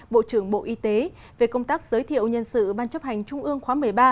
bộ trưởng bộ y tế về công tác giới thiệu nhân sự ban chấp hành trung ương khóa một mươi ba